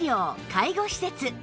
介護施設